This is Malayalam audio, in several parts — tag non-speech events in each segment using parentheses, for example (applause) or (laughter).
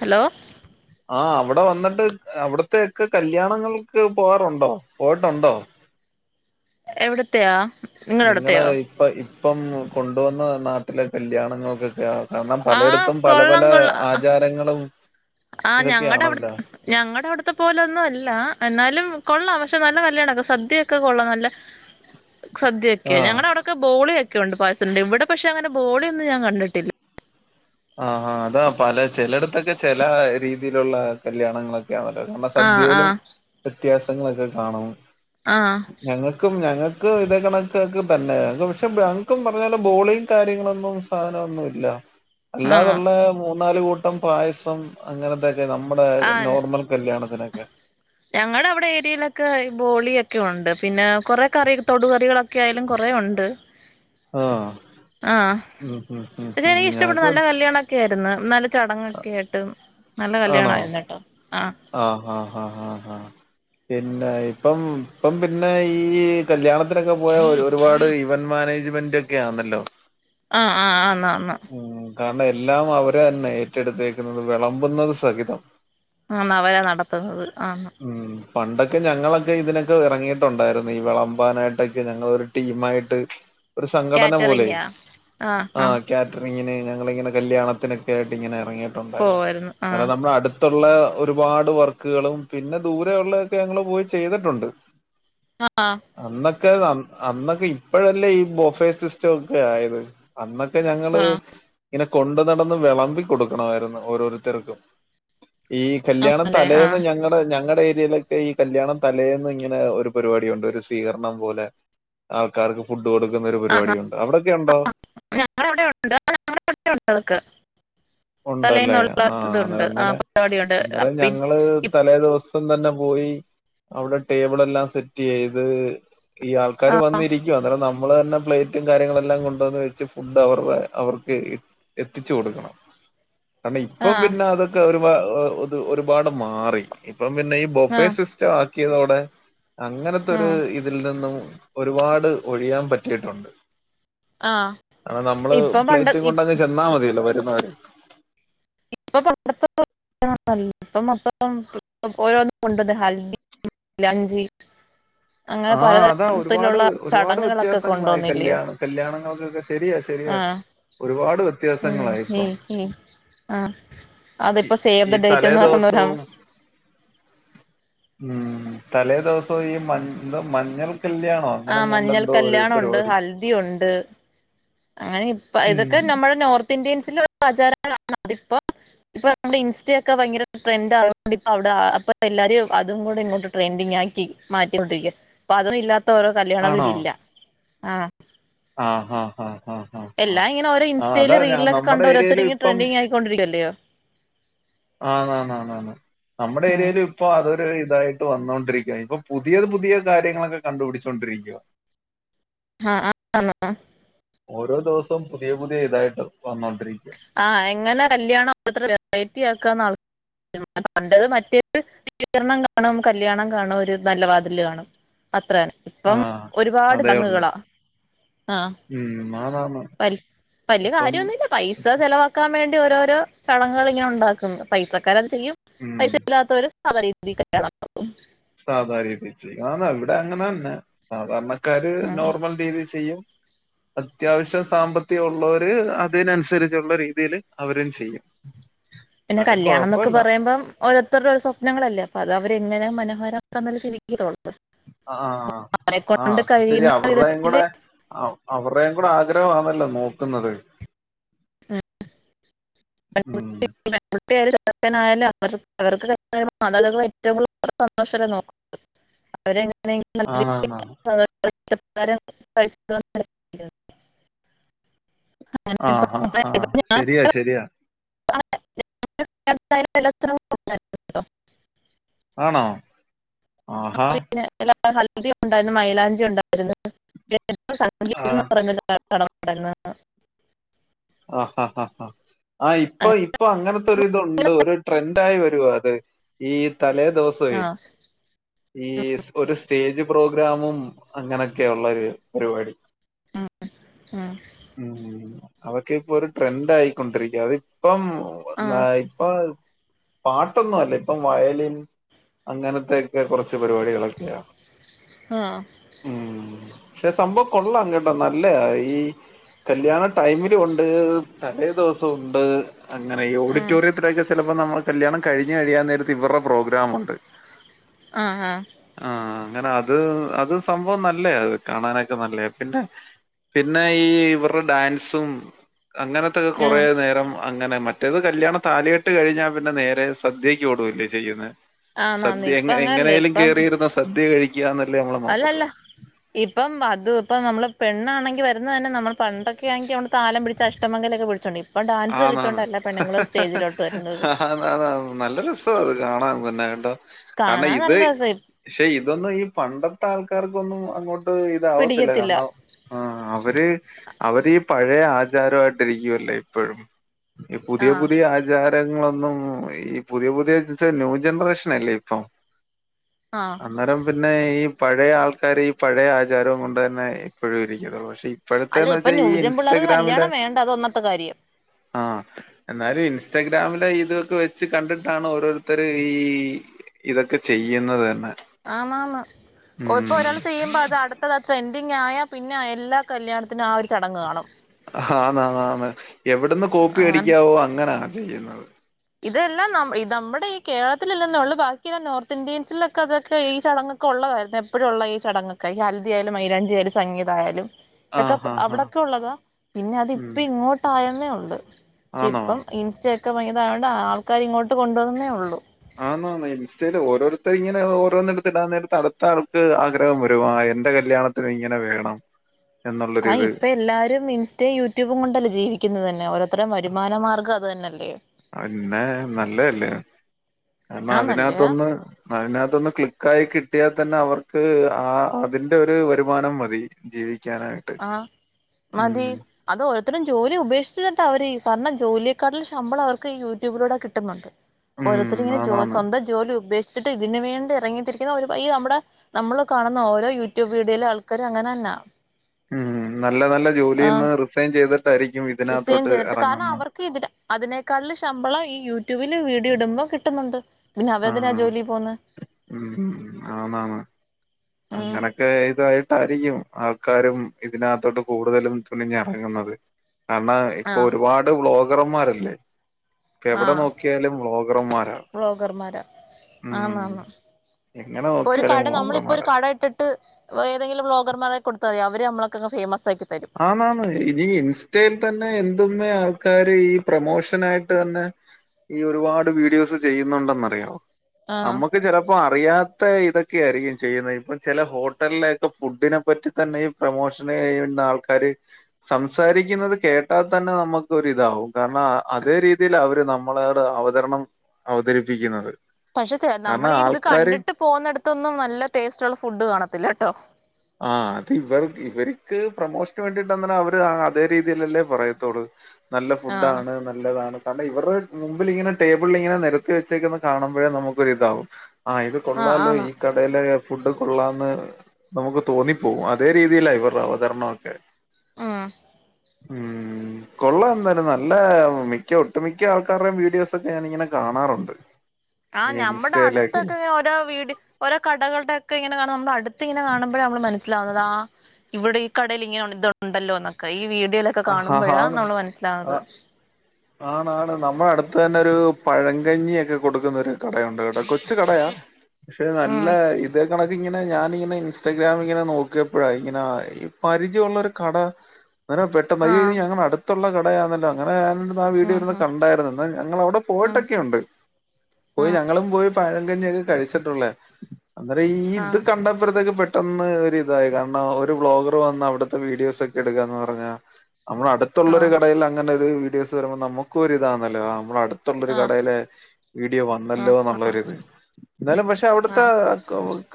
ഹലോ ആ അവിടെ വന്നിട്ട് അവിടത്തെൊക്കെ കല്യാണങ്ങൾക്ക് പോവാാറുണ്ടോ പോയിട്ടുണ്ടോ എവിടത്തയാാ നിങ്ങള് ഇപ്പൊ ഇപ്പം കൊണ്ടുവന്ന നാട്ടിലെ കല്യാണങ്ങൾക്കൊക്കെ കാരണം ആ പലയിടത്തും പല പല കൊള്ളം കൊള്ള ആചാരങ്ങളും ആ ഞങ്ങളുടെ അവിടു ഇതൊക്കെയാണല്ലോ ഞങ്ങളുടെ അവിടുത്തെ പോലെൊന്നും അല്ല എന്നാലും കൊള്ളാം പക്ഷെ നല്ല കല്യാണംൊക്കെ സദ്യൊക്കെ കൊള്ളാം നല്ല സദ്യൊക്കെയാ ആഹ് ഞങ്ങള അവിടൊെ ബോളി ഒണ്ട് പായസുണ്ട് ഇവിടെ പക്ഷെ അങ്ങനെ ബോളി ഒന്ന ഞാൻ കണ്ടിട്ടില്ല ആഹാ അതാ പല ചിലയിടത്തൊക്കെ ചില രീതിയിലുള്ള കല്യാണങ്ങളൊക്കെ ല്ല കാര ആഹ് സദ്യയിലും ആഹ് വ്യത്യാസങ്ങളൊക്കെ കാണും ആഹ് ഞങ്ങൾക്കും ഞങ്ങൾക്ക്ും ഇത കണക്കെ തന്നെ പക്ഷെ ഞങ്ങക്കും പറഞ്ഞ ബോളിും കാര്യങ്ങളൊന്നും സാധനമ ഒന്നുമ ഇല്ല ആന്നോ അല്ലാതുള്ള മൂന്നാല് കൂട്ട ട്ട പായസം അങ്ങനെ നമ്മുടെ ആഹ് നോർമൽ കല്യാണ ഇതിനൊക്കെ ഞങ്ങടെ അവിടെ ഏരിയയിലൊക്കെ ഈ ബോളിയൊക്കെ ഉണ്ട് പിന്നെ കൊറെ കറി തൊട കറികളൊക്കെ ആയാലും കുറ ഉണ്ട് ആഹ് ആഹ ഉം ഉം ഉം പക്ഷെ ഉം എനിിക്ക ഇഷ്ടപ്പെട ഞങ്ങക്ക് നല്ല കല്യാണംൊക്കെ ആയിരുന്നു നല്ല ചടങ്ങൊക്കെ ആായിട്ട് നല്ല കല്യാണ ഹ ആഹ് ആഹ് ആഹ് ആഹ പിന്നെ ഇപ്പം ഇപ്പം പിന്നെ ഈ കല്യാണത്തിനൊക്കെ പോയ ഒരുപാട് ഇവന്റ് മാനേജ്മെന്റ് ഒക്കെ ആണല്ലോ ആഹ ആഹ് ആന്നാ ആാ ഉം കാരണം എല്ലാം അവരെ തന്നെ ഏറ്റെടുത്തേക്കുന്നത് വിളമ്പുന്നത് സഹിതം ആ അവരാ നടത്തുന്നത് ആ ഉം പണ്ടൊക്കെ ഞങ്ങളൊക്കെ ഇതിനൊക്കെ ഇറങ്ങിയിട്ടുണ്ടായിരുന്നു ഈ വിളമ്പാനായിട്ടൊക്കെ ഞങ്ങളൊരു ടീ ആയിട്ട് ഒരു സംഘടന പോലെ കാറ്ററിങ്ങാ ആഹ് ആ ആഹ് കാറ്ററിങ്ങിന് ഞങ്ങളിങ്ങനെ കല്യാണത്തിനെക്കെ ആയിട്ട് ഇങ്ങനെ (unintelligible) പോവായിരുന്നു ആഹ് അന്നോരം നമ്മടെ അട (unintelligible) ഒരുപാട് വർക്ക്കളും പിന്നെ ദൂരെ ഉള്ളക്കെ ഞങ്ങള് പോയി ചെയ്ത്ട്ടെണ്ട് ആാ അന്നൊക്കെ ഇപ്പോഴല്ലേ ഈ ബൊഫേ സിസ്റ്റംയെക്കെ ആയത് അന്നൊക്കെ ന്നോക്കേ ഞങ്ങള് ആഹ് ഇങ്ങനെ കൊണ്ട് നടന്ന് വെളമ്പി കൊടുക്കണായിര്ന്ന് ഓരോരുത്തരക്കും ഈ കല്യാണ ആന്നല്ലേ തലേന്ന് ആഹ് ഞങ്ങടെ ഞങ്ങടെ ക്കെ ഈ കല്യാണ തലേന്ന് ഇങ്ങനെ ഒര് പരിപാടിയെണ്ട് ഒര് സ്വീകരണം പോലെ ആൾക്കാർക്ക് ഫു കൊടുക്കുന്ന ഒരു പരിപാടി ആഹ് ഒണ്ട് അവിടെക്കെ ഒണ്ടോ ഞങ്ങടെ അവിടെ ഉണ്ട് ആഹ് ഞങ്ങടെ അവിടെ ഉണ്ട് അതൊക്കെ ഒണ്ടാല്ലേ തലേന്നുള്ള ആ അത് ഇതുണ്ട് ആഹ് അങ്ങനെ പരിപാടിയുണ്ട് അന്നേരം പി ഞങ്ങള് തലേ ദെവസം അപ്പം തന്നെ പോയി അവടെ ടേബിൾ എല്ലാം സെറ്റ് ചെയ്ത് ഈ ആൾക്കാര് ആഹ് വന്നിരിക്കു അന്നേരം ന നമ്മള് തന്നെ പ്ലേ കാര്യങ്ങളെല്ലാം കൊണ്ടുവന്ന് വെച്ച് ഫു ഫുഡ് അറെ അവർക്ക് എത്തിച്ച കൊട്ക്കണം ഇപ്പം ആഹ് പിന്നെ അതൊക്കെ ഒരു (unintelligible) അത് ഒരുപാട് മാറി ഇപ്പം പിന്നെ ഈ ബൊഫേ ആഹ് സിസ്റ്റാ ആ (unintelligible) ഓടെ അങ്ങനത്തെരു ആഹ് ഇതിൽ നിന്നും ഒരുപാട് ഒഴിയാൻ പറ്റീട്ടുണ്ട് ആഹ് കരണം നമ്മള് ഇപ്പം പണ്ട പ്ലേറ്റ് കൊണ്ടങ്ങ് ചെന്നാ മതില്ലോ (unintelligible) ഇപ്പൊ പണ്ടത്തെ ഇപ്പ മൊത്തം ഓരോന്നും കൊണ്ടു ഹൽദി ലഞ്ചി ആ അതാ ഒരുപാട് ഒരുപാട് ചടങ്ങുകളൊക്കെ വ്യത്യാസങ്ങളായി കൊണ്ടുവന്നില്ലയോ കല്ല്യാണ കല്ല്യാണങ്ങൾക്കൊക്കെ ശരിയാ ശരിയ ആഹ് ഒരുപാട് വ്യത്യാസങ്ങളായിപ്പം ആ അതിപ്പോ സേവ് ദ ഡേറ്റ്ന്ന് പറ (unintelligible) ദിവസവും ഉം തലേ ദിവസവും ഈ മഞ് ന്തോ മഞ്ഞൾ കല്യാണോ ആ അങ്ങനെങ്ങാണ്ട് മഞ്ഞൾ എന്തോ ഒരു കല്ല്യാണം ഉണ്ട് പരിപാടി ഹൽദി ഉണ്ട് അങ്ങനെ ഇപ്പ ഉം ഇതൊക്കെ നമ്മുടെ നോർത്ത് ഇന്ത്യൻസിൽ ആചാ (unintelligible) പ്പോ ഇ നമ്മ ഇൻസ്റ്റൊക്കെ ഭയങ്കര ട്രെൻഡ അപ്പൊ എല്ലാരും അതും കൂടി ഇങ്ങോട്ട് ട്രെന്റിങ്ങാക്കി മാറ്റൊണ്ടിരിക്ക ഇപ്പൊ അതൊന്നും ഇല്ലാത്ത ത്ത ഓരോ കല്യാണവീടില്ല. ആ ആ ആ ആ എല്ലാം ഇങ്ങനെ ഓരോ അതാ ഇൻസ്റ്റയില് ഞാൻ റീലിലൊക്കെ നമ്മുടെ കണ്ട ഏരിയയിലും ഓരോരുത്തർങ്ങനെ ഇപ്പം ട്രെൻഡിങ് ആയിക്കൊണ്ടിരിക്കുകയല്ലിയോ? ആന്നാന്നാന്നാന്ന് നമ്മുടെ ഏരിയയിൽ ഇപ്പോ അതൊരു ഇതായി വന്നൊണ്ടിരിക്കണേഇപ്പൊ പുതിയത് പുതിയ കാര്യങ്ങളൊക്കെ കണ്ടുപിടിച്ചൊണ്ടിരിക്കവാ. ആ ആന്ന് ഓരോ ദിവസവും പുതിയ പുതിയ ഇതായിട്ട് വന്നോണ്ടിരിക്കും. ആ എങ്ങനെ കല്ല്യാണം വെറൈറ്റി ആക്കാന്ന് ആൾ പണ്ടത് മറ്റേത് സ്വീകരണം കാണും, കല്ല്യാണം കാണും, ഒരു നല്ല വാതില് കാണും, അത്ര തന്നെ. ഇപ്പം ആഹ് ഒരുപാട് അതേ ഉള്ളൂ ചടങ്ങുകളാ. ആ ഉം ആന്നാന്ന് വലിയ ഇപ്പം കാര്യം മൊന്നുമില്ല പൈസ ചെലവാക്കാൻ വേണ്ടി ഓരോരോ ചടങ്ങ്കൾ ഇങ്ങനെ ഉണ്ടാക്കും. പൈസക്ക ചെയ്യും. ഉം പൈസ ഇല്ലാത്തവര് രീതി കല്യാണം. സാധാരീതിചെയ്യും. ഇവിടെ അങ്ങനെന്നെ സാധാരണ കാര് ഉം നോർമൽ രീതിൽ ചെയ്യും. അത്യാവശ്യം സാമ്പത്തികം ഉള്ളവര് അതിനനുസരിച്ചുള്ള രീതിൽ അവരും ചെയ്യും. പിന്നെ എന്നാലും കല്യാണം എന്നൊക്കെ കുഴപ്പമില്ല പറയുമ്പം ഓരോരുടെഓരോ സ്വപനങ്ങളല്ലേ. അപ്പൊ അത് അവര് ഇങ്ങനെ മനോഹരമാക്കാന്നല്ലേ ചിന്തിക്കുകയുള്ളു. ആ ആ ആ അത് ശരിയാ. കഴിയുന്ന അവരുടെയും വിധത്തില് കൂടെ അവരുടെയും കൂടെ ആഗ്രഹമാണല്ലോ നോക്കുന്നത്. ആ ഉം (unintelligible) (unintelligible) നല്ല രീതിയിൽ ആണാണാണ് സന്തോഷത്തോടെ ഇഷ്ടപ്രകാരം കഴിച്ചു വിടുവാന്ന് വിചാരിച്ചിരിക്കുന്നു. അങ്ങനെ ആ ആ അപ്പൊ ആ ഇപ്പൊ ഞാൻ ശരിയാ പല ശരിയാ (unintelligible) ആണോ ആഹാ ഹൽദിഉണ്ടായിരുന്നു. മൈലാഞ്ചി ഉണ്ടായിരുന്നു. (unintelligible) കട ആഹ് തുടങ്ങ ആഹാ ആ ഹാ ആഹ ഇപ്പൊ ഇപ്പൊ അങ്ങനത്തെൊ ഇതുണ്ട് ഒരു ട്രെൻഡ ആയി വരു അത് ഈ തലേ ആ ദിവസവും ഈ ഒരു സ്റ്റേജ് പ്രോഗ്രാമും അങ്ങനെയൊക്കെയ ഉള്ള ഒരു പരിപാടി ആ ആഹ അവതൊക്കെ ഇപ്പൊ ഒരു ട്രെൻഡ ആയിക്കൊണ്ടിരിക്കുക അത് കം ആ നപ്പ പാട്ടൊന്നും അല്ല ഇപ്പം വയലിൻ അങ്ങനത്തെൊക്കെ കുറച്ച് പരിപാടികളൊക്കെയ ആ പക്ഷെ സംഭവം കൊള്ളാം കേട്ടോ നല്ല ഈ കല്യാണ ടൈമില ഉണ്ട് തലേ ദിവസം ഉണ്ട് അങ്ങനെ ഈ ഉം, ഓഡിറ്റോറിയത്തിലൊക്കെ ചിലപ്പോ നമ്മക്ക് കല്യാണം കഴിഞ്ഞഞ് കഴിയാൻ നേരത്ത് ഇവരുടെ പ്രോഗ്രാമുണ്ട് ആഹ ആഹ ആ അങ്ങനെ അത് അത് സംഭവം നല്ലേ അത് കാണാനൊക്കെ നല്ലേ പിന്നെ പിന്നെ ഈ ഇവരുടെ ഡാൻസ് സും അങ്ങനത്തൊക്കെ ആ കുറ നേരം അങ്ങനെ മറ്റേത് കല്യാണം താലയിെട്ട് കഴിഞ്ഞാൽ പിന്നെ നേരെ സദ്യയ്ക്ക്ോടുൂല്ലേ ചെയ്യുന്നത് ആ നന്ദി സദ്യ എങ്ങ ഇപ്പൊ അങ്ങനല്ലേ എങ്ങനെലും ഇപ്പം കേറിയിരുന്ന സദ്യ കിട്ടി അല്ലല്ല ഇപ്പം അത് ഇപ്പം നമ്മള് പെണാണെങ്കി വരുന്നത് തന്നെ നമ്മൾ പണ്ടൊക്കെയായെങ്കിൽ നമ്മൾ താലം പിടിച്ച് അഷ്ടമംഗലൊക്കെ പിടിച്ചോണ്ടെ ആന്നാന്ന് ഹ വരുന്നത് ഹ ഹ ആന്നാന്ന് നല്ല രസവാത് കാണാൻ തന്നെ. കാരണം കാണാൻ ഇത് നല്ല രസ ക്ഷെ ഇതൊന്നും ഈ പണ്ടത്തെ ആൾക്ക ആർക്കൊന്നും അങ്ങോട്ട് ത് ഇതാവല്ല പിടിക്കത്തില്ല കാരണം ഹ് അവര് അവരീ പഴയ ആചാരമായിട്ടിരിക്കുവല്ലേ പ്പഴും ഈ പുതിയ ആഹ് പുതിയ ആചാരങ്ങളൊന്നും ന്നോന്നു ഈ പുതിയ പുതിയ ജൻസ് ന്യൂ ജനറേഷനല്ലേ ഇപ്പൊ ആഹ് അന്നേരം പിന്നെ ഈ പഴയ ആൾക്കാര് ഈ പഴയ ആചാരവും കൊണ്ട് തന്നെ ഇപ്പോഴും ഇരിക്കത്തോള്ളു പക്ഷെ അല്ലേ ഇപ്പോഴത്തെന്ന് ഇപ്പം വെച്ചാ ഈ ന്യൂജം പിള്ളേർക്ക് ഇൻസ്റ്റഗ്രാമില് കല്യാണം വേണ്ട അത് ഒന്നാമത് ആഹ് എന്നാലും ഇൻസ് ഇൻസ്റ്റഗ്രാമില് ഇതൊക്കെ വെച്ച് കണ്ടിട്ടാണ് ഓരോരുത്തർ ഈ ഇതൊക്കെ ചെയ്യുന്നത് തന്നെ ആമ മ ഓ ഇപ്പൊ ഉം ഒരാൾ ചെയ്യുമ്പോ അത് അടുത്തതത്ര എ ത് ഞായാ പിന്നെ എല്ലാ കല്യാണത്തി ത്തിന് ആ ഒരു ചടങ്ങ് കാണും ആന്നാന്ന് എവിടുന്ന് കോപ്പി അങ്ങനെ അടിക്കാവോ അങ്ങനാ ചെയ്യുന്നത് ഇതെല്ലാം നമ്മ് നമ്മുടെ ഈ കേരളത്തിലല്ലന്ന ഉള്ളൂ ബാക്കിയ എല്ലാം നോർത്ത് ഇന്ത്യൻസിലൊക്കെ അതൊക്കെ ഈ ചടങ്ങൊക്കെ ഉള്ളതായിരുന്നു എപ്പോഴും ഉള്ളതാ ഈ ചടങ്ങൊക്കെ ഈ ഹൽദ ആയാലും മൈലാഞ്ചിയാലും സംഗീതായാലും ആഹ് ഇതൊക്കെപ്പ് ആഹ് ആഹ് അവിടൊക്കെ ഉള്ളതാ പിന്നെ അത് ഇപ്പ ഉം ഇങ്ങോട്ടയെന്നേ ഉണ്ട് ക്ഷേ ആന്നോ ഇപ്പം ഇൻസ്റ്റ (unintelligible) അതാണ്ട ആൾക്കാരി ഇങ്ങോട്ട് കൊണ്ടുവന്നേ ഉള്ളൂ ആന്നാന്ന് ഇൻസ്റ്റയിൽ ഓരോരുത്തർ ഇങ്ങനെ ഓരോന്നേടുത്ത് ഇടാൻ നേരത്ത് അടുത്ത ആൾക്ക് ആഗ്രഹം വരും ആ എന്റെ കല്യാണത്തിന് ഇങ്ങനെ വേണം ആ എന്നുള്ളൊരിത് ഇപ്പൊ എല്ലാരും ഇൻസ്റ്റയും യൂട്യൂബും കൊണ്ടല്ലേ ജീവിക്കുന്നത് തന്നെ ഓരോരുത്തരുടെയും വരുമാനമാർഗാത് ത് തന്നെല്ലേ അന്നെ നല്ലല്ലേ എന്നാ ആന്നല്ലേ അതിനത്തൊന്ന് അയിനാത്തൊന്ന് ക്ലിക്കായി കിട്ടിയാൽ തന്നെ അവർക്ക് ആ അതിന്റെ ഒരു വരുമാനം മതി ജീവി ആ മതി അത് ഓരുത്തരും ജോലി ഉപേക്ഷിച്ചിട്ടാ അവര് കാരണം ജോലിയെക്കാട്ടുള്ള ശമ്പളം അവർക്ക് യൂട്യൂബിലൂടെ കിട്ടുന്നുണ്ട് ഓരോത്തർ ഉം ഇങ്ങനെ ജോ ആന്നാന്ന് സ്വന്തം ജോലി ഉപേക്ഷി ട്ട് ഇതിനന് വേണ്ടി ഇറങ്ങിത്തിരിക്കുന്ന ഒരു ഈ നമ്മുടെ നമ്മള് കാണുന്ന ഓരോ യൂട്യൂബ് വീഡിയോയിലെ ആൾക്കാരും അങ്ങനെന്നാ മ് നല്ല നല്ല ആഹ് ജോലിയിന്ന് റിസൈൻ ചെയ്തിട് ായിരിക്കും റിസൈൻ ഇതിനകത്തോട്ട് ചെയ്തിട്ട് കാരണം ഇറങ്ങുന്ന അവർക്ക് ഇതിന് അതിനേക്കാളില് ശമ്പളം ഈ യൂട്യൂബില് വീഡിയോ ഇടുമ്പോം കിട്ടുന്നുണ്ട് പിന്നെ ആഹ അവരെന്തിനാ ജോലി പോവുന്നെ ഉ ആ ഉം അങ്ങനൊക്കെ (unintelligible) യിരിക്കും ആൾക്കാരും ഇതിനകത്തോട്ട് കൂടുതലും തുണിഞ്ഞിറങ്ങുന്നത് കാരണം ഇപ്പൊ ആഹ് ഒരുപാട് വ്ലോഗ് മറന്മാരല്ലേ (unintelligible) എവിടെ ആഹ് നോക്കിയാലും ബ്ലോഗർമാരാ വ്ളോഗർമാരാകും മ് ആന്നാന്ന് എങ്ങനെ നോക്കിയാലും (unintelligible) വ്ളോഗർമാരാകും ഏതെങ്കിലും്ോഗർമാരെ കൊടുത്താ മതി അവര് നമ്മളൊക്കെെ ഫേമസ് ആയി (unintelligible) ഇനി ഇൻസ്റ്റയിൽ തന്നെ എത്മ്മേ ആക്കാര് ഈ പ്രമോഷന ആയിട്ട് തന്നെ ഈ ഒരുപാട് വീഡിയോസ് ചെയ്യുന്നുണ്ടെന്നറിയോ ആഹ് നമ്മുക്ക് ചിലപ്പോ അറിയാ ഇത്തെ ഇതൊക്കെയ ആയിരിക്കും ചെയ്യുന്നത് ഇപ്പം ചില ഹോട്ടലിലൊക്കെ ഫുഡിനെ പറ്റി തന്നെ പ്രൊമോഷ (unintelligible) ക്കാര് സംസാരിക്കുന്നത് കേട്ടാൽ തന്നെ നമുക്ക്ൊ ഇതാവും കാരണം അതേ രീതിയിൽ അവര് നമ്മളട് അവതരണം അവതരിപ്പിക്കുന്നത് പക്ഷെ കാരണം നമ്മൾീഈ ഇത് ആൾക്കാര് കണ്ടിട്ട് പോകുന്നടുത്തൊന്നും നല്ല ടേസ്റ്റ്ള്ള ഫുഡ് കാണത്തില്ല അട്ട ആ അത് ഇവർ ഇവർക്ക് പ്രമോഷന് വേണ്ടിട്ട് അന്നനെ അവര് അതേ രീതിയിലല്ലേ പറയത്തോട നല്ല ആഹ് ഫുഡാണ് നല്ലതാണ് ക ഇവരുടെ മുമ്പിൽ ഇങ്ങനെ ടേബിളിൽ ഇങ്ങനെ നിരത്തി വെച്ചേക്കന്ന് കാണുമ്പോഴേ നമുക്കൊരി ഇതാവും ആഹ ഇത് ആഹ് കൊള്ളാാലോ ആന്ന് ഈ കടയിലെ ഫുഡ് കൊള്ളാമന്ന് നമുക്ക് തോന്നിപ്പോവുംും അതേ രീതിയില ഇവരുടെ അവതരണൊക്കെ ആ ഉം കൊള്ള എന്താല നല്ല മിക്ക ഒട്ടുമിക്ക ആൾക്കാരുടെ വീഡിയോസ ഒക്കെ ഞാനിങ്ങനെ കാണാറുണ്ട് ആ ഈ നമ്മുടെ ഇൻസ്റ്റയിലൊക്കെ അടുത്തൊക്കെ ഇങ്ങനെ ഓരോ വീട് ഓരോ കടകളുടെ ഒക്കെ ഇങ്ങനെ കാണ നമ്മുടെ അടു ഇങ്ങെ കാുമ്പോ നമ്മ മനസ്സിലാവുന്നത് ആ ഇവിടെ ഈ കടയിൽ ഇങ്ങനെ ഇത്ണ്ടല്ലോ എന്നൊക്കെ ഈ വീട് ആ കാണുമ്പോഴ ആണ് നമ്മ മനില നമ്മള അടുത്ത് തന്നെ ഒരു പഴങ്കഞ്ഞിൊക്കെ കൊടുക്കുന്നൊ ഒരു കടയുണ്ട് കേട്ടാ കൊച്ച കടയാാണ് പക്ഷെ നല്ല ഉം ഇത കണ ഇങ്ങനെ ഞാനിങ്ങനെ ഇൻസ്റ്റഗ്രാാം ഇങ്ങനെ നോക്കിയപ്പോഴാ ഇങ്ങന ഈ പരിചയമുള്ളരു കട മയ ആഹ് ഞടു കടയാണല്ലോ അങ്ങനെ ആ വീട് ഉം ഇരുന്ന് ഉം കണ്ടായിരുന്നന്ന് ഞങ്ങ അവിടെ ഉം പോയിട്ടൊക്കെയുണ്ട് പോയി ഉം ഞങ്ങളും പോയി പഴങ്കഞ്ഞിൊക്കെ കഴിച്ചിട്ടുള്ളേ അന്നേ ഈ ഇത് ആഹ് കണ്ടപ്പോഴത്തേക്ക് പെട്ട് പെട്ടെന്ന് ഒരു ഇതായി കാരണം ഒരു ബ്ലോഗർ വന്ന് അവിടുത്തെ വീഡിയോസ് ഒക്കെ എടുക്കാന്ന് പറഞ്ഞാ നമ്മുടെ അടുത്തുള്ളരു ആഹ് കടയിൽ അങ്ങനെ ഒരു ദിവ വരുമ്പോ നമുക്ക ഒരുരിതാന്നല്ലോ നമ്മള അടുത്ത് അത്തുള്ളൊരു ആഹ് കടയില വീഡിയോ വന്നല്ലോ എന്നുള്ള ഇത് എന്നാലും പക്ഷെ അവിടുത്തെ ആഹ്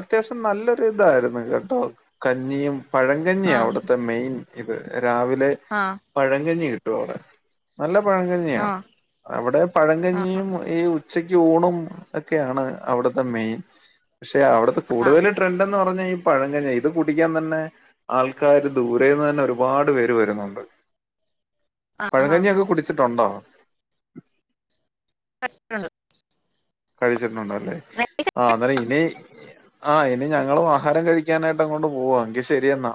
അത്യാവശ്യം നല്ലൊരു ഇതായിരുന്നു കേട്ടോ കഞ്ഞിയും പഴങ്കഞ്ഞി ആഹ് അവിടുത്തെ മെയിൻ ഇത് രാവിലെ ആഹ് പഴംകഞ്ഞി കിട്ടും നല്ല പഴങ്കഞ്ഞിയാ ആഹ് അവിടെ ആഹ് പഴങ്കഞ്ഞിയും ഈ ഉച്ചക്ക് ഊണും ഒക്കെയാണ് അവിടുത്തെ മെയിൻ പക്ഷെ അവിടുത്തെ ആഹ് കൂടുതൽ ട്രെൻഡ (unintelligible) പറഞ്ഞാ ഈ പഴങ്കഞ്ഞിയാ ഇത് കുടിക്കാൻ തന്നെ ആൾക്കാര് ദൂരേന്ന് തന്നെ ഒരുപാട് പേര് വരുന്നുണ്ട് പഴങ്കഞ്ഞിയൊക്കെ കുടി (unintelligible) ണ്ടോ ആഹ് കഴിച്ചിട്ടുണ്ടല്ലേ ആഹ് ആ അന്നേരം ഇനി ആ ഇനി ഞങ്ങളും ആഹാരം കഴിക്കാനായിട്ട് അങ്ങോണ്ട് പോവാ എങ്കി ശെരിയെന്നാ